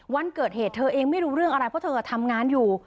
วันเกิดเหตุเธอเองไม่รู้เรื่องอะไรเพราะเธอทำงานอยู่